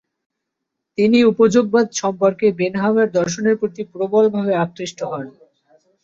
তিনি উপযোগবাদ সম্পর্কে বেন্থামের দর্শনের প্রতি প্রবলভাবে আকৃষ্ট হন।